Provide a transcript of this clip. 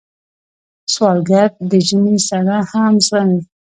سوالګر د ژمي سړه هم زغمي